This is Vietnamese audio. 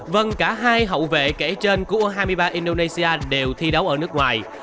vâng cả hai hậu vệ kể trên của u hai mươi ba indonesia đều thi đấu ở nước ngoài